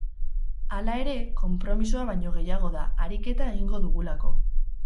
Hala ere, konpromisoa baino gehiago da, ariketa egin egingo dugulako.